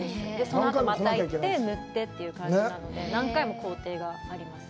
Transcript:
そのあと、また行って、塗ってという感じなので、何回も工程があります。